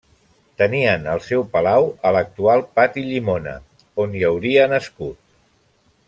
Tenien el seu palau a l'actual pati Llimona, on hi hauria nascut.